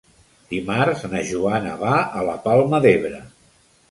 Dimarts na Joana va a la Palma d'Ebre.